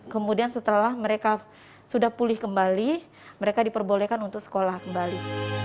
kemudian setelah mereka sudah pulih kembali mereka diperbolehkan untuk sekolah kembali